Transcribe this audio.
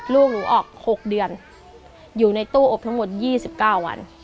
ลูกหนูออก๖เดือนอยู่ในตู้อบทั้งหมด๒๙วัน